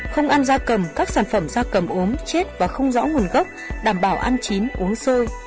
không ăn da cầm các sản phẩm da cầm ốm chết và không rõ nguồn gốc đảm bảo ăn chín uống sơ